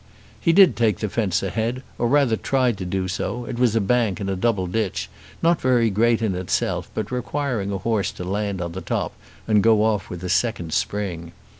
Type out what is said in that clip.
He did take the fence ahead, or rather tried to do so. It was a bank and a double ditch, not very great in itself, but requiring a horse to land on the top and go off with a second spring.